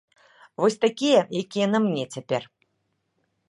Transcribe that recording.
Вось такія, якія на мне цяпер.